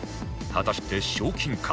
果たして賞金か？